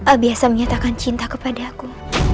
abiasa menyatakan cinta kepada aku